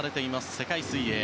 世界水泳。